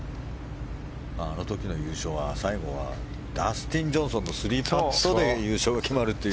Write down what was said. あの時の優勝は最後はダスティン・ジョンソンの３パットで優勝が決まるという。